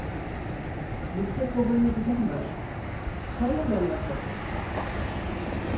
Yüksekoba'ya giden var, sen de yanına katıl!